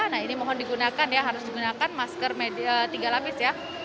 nah ini mohon digunakan ya harus digunakan masker tiga lapis ya